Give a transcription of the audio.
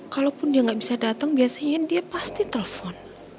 kalaupun dia nggak bisa datang biasanya dia pasti telepon